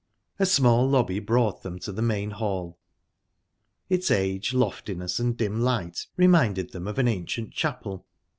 A small lobby brought them to the main hall. Its age, loftiness, and dim light reminded them of an ancient chapel.